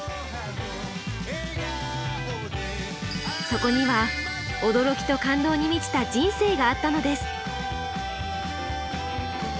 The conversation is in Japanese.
そこには驚きと感動に満ちた人生があったのです。